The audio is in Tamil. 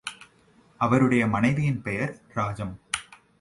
அவருடைய மனைவியின் பெயர் ராஜம்.